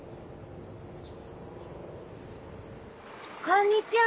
こんにちは。